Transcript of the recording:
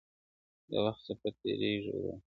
د وخت څپه تېرېږي ورو,